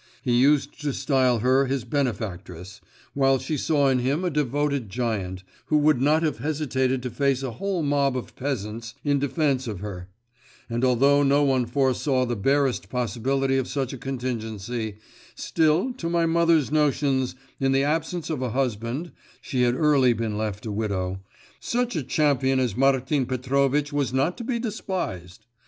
He used to style her his benefactress, while she saw in him a devoted giant, who would not have hesitated to face a whole mob of peasants in defence of her; and although no one foresaw the barest possibility of such a contingency, still, to my mother's notions, in the absence of a husband she had early been left a widow such a champion as Martin Petrovitch was not to be despised.